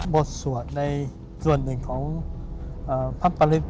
บทสวดในส่วนหนึ่งของพระปริศ